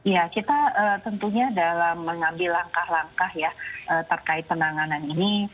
ya kita tentunya dalam mengambil langkah langkah ya terkait penanganan ini